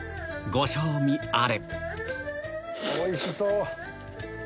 ご賞味あれおいしそう！